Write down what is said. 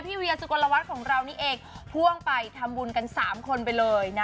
เวียสุกลวัฒน์ของเรานี่เองพ่วงไปทำบุญกัน๓คนไปเลยนะ